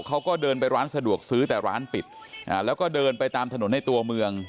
เขาก็เดินไปร้านสะดวกซื้อแต่ร้านปิดแล้วก็เดินไปตามถนนในตัวเมือง